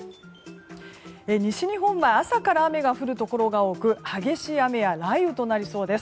西日本は朝から雨が降るところが多く激しい雨や雷雨となりそうです。